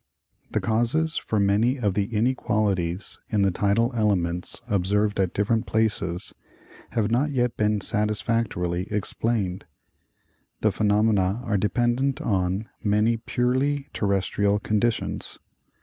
The causes for many of the inequalities in the tidal elements observed at different places have not yet been satisfactorily ex plained. The phenomena are dependent on many purely terres trial conditions.